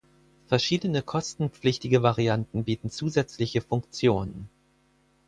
Verschiedene kostenpflichtige Varianten bieten zusätzliche Funktionen.